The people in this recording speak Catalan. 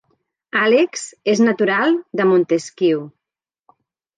Àlex és natural de Montesquiu